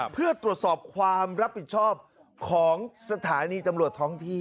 เพื่อตรวจสอบความรับผิดชอบของสถานีตำรวจท้องที่